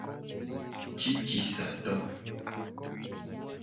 Cicisato.